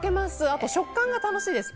あと食感が楽しいです。